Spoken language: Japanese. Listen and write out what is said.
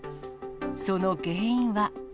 その原因は。